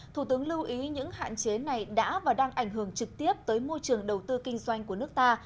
thủ tướng lưu ý những hạn chế này đã và đang ảnh hưởng trực tiếp tới môi trường đầu tư kinh doanh của nước ta